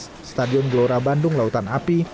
pertama di kedua s stadion glora bandung lautan api